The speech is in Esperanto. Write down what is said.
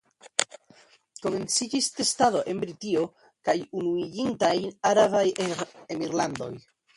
Komenciĝis testado en Britio kaj Unuiĝintaj Arabaj Emirlandoj.